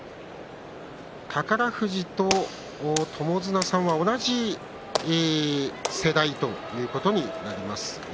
宝富士と友綱さんは同じ世代ということになりますね。